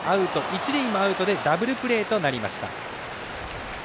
一塁もアウトでダブルプレーとなりました。